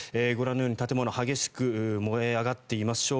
ご覧のように建物が激しく燃え上がっています。